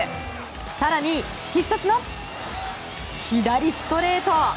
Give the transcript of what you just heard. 更に必殺の左ストレート。